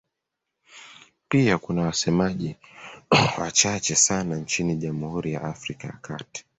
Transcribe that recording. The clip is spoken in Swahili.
Pia kuna wasemaji wachache sana nchini Jamhuri ya Afrika ya Kati.